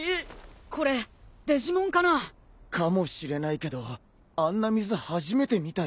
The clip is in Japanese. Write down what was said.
これデジモンかな？かもしれないけどあんな水初めて見たよ。